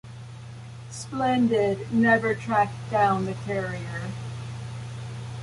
"Splendid" never tracked down the carrier.